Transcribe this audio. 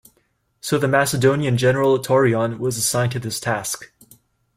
So the Macedonian general Taurion was assigned to this task.